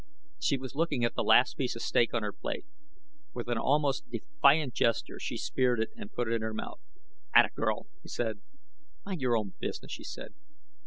She was looking at the last piece of steak on her plate. With an almost defiant gesture she speared it and put it in her mouth. "Atta girl," he said. "Mind your own business," she said.